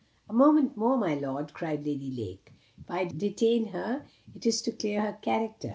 "A moment more, my lord," cried Lady Lake. "If I detain her it is to clear her character.